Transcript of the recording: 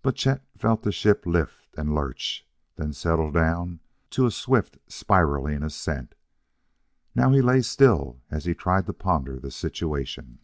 But Chet felt the ship lift and lurch, then settle down to a swift, spiralling ascent. Now he lay still as he tried to ponder the situation.